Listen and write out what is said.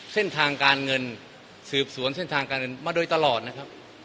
เส้นทางการเงินสืบสวนเส้นทางการเงินมาโดยตลอดนะครับ